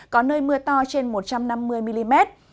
có nơi mưa to trên một trăm năm mươi mm